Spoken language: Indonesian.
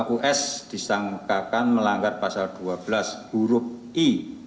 us disangkakan melanggar pasal dua belas huruf i